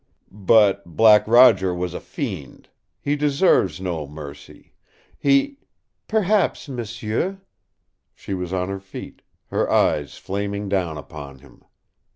"But Black Roger was a fiend. He deserves no mercy. He " "Perhaps, m'sieu!" She was on her feet, her eyes flaming down upon him.